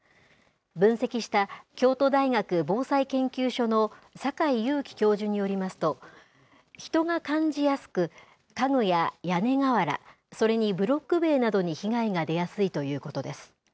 分析した京都大学防災研究所の境有紀教授によりますと、人が感じやすく、家具や屋根瓦、それにブロック塀などに被害が出やすいということです。